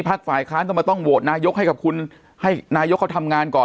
พักฝ่ายค้าต้องโบร์ดนายกให้กับคุณให้นายกเขาทำงานก่อน